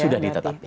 sudah di data base